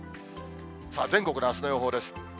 全国のあすの予報です。